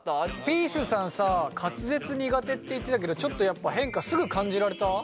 ピースさんさ滑舌苦手って言ってたけどちょっと変化すぐ感じられた？